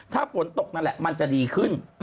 ถ้าฝนตกนั่นแหละมันจะดีขึ้น